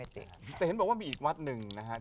แต่เห็นบอกว่ามีอีกวัดหนึ่งนะครับ